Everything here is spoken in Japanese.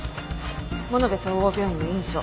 物部総合病院の院長